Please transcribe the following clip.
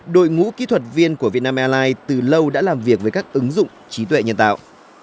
đội ngũ kỹ thuật viên của vietnam airlines từ lâu đã làm việc với các ứng dụng trí tuệ nhân tạo